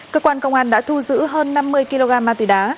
cơ quan công an đã thu giữ hơn năm mươi kg ma túy đá